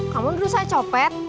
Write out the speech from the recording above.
kamu dulu saya copet